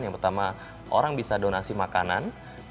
yang pertama orang bisa donasi makanan